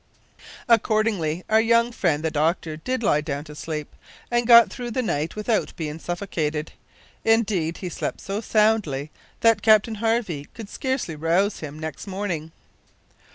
Accordingly, our young friend the doctor did lie down to sleep, and got through the night without being suffocated. Indeed, he slept so soundly that Captain Harvey could scarcely rouse him next morning.